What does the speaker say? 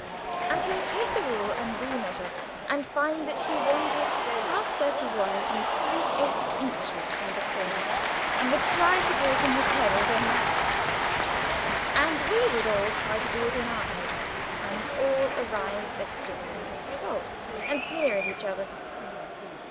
And he would take the rule, and re measure, and find that he wanted half thirty one and three eighths inches from the corner, and would try to do it in his head, and go mad. And we would all try to do it in our heads, and all arrive at different results, and sneer at one another.